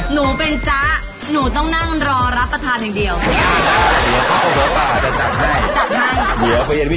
หนูเป็นจ๊ะหนูต้องนั่งรอรับประทานอย่างเดียว